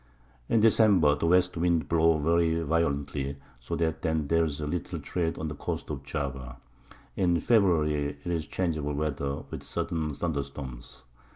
In December the West Winds blow very violently, so that then there's little Trade on the Coast of Java. In February 'tis changeable Weather, with sudden Thunderstorms.